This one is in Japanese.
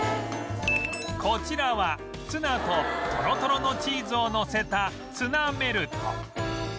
こちらはツナとトロトロのチーズをのせたツナメルト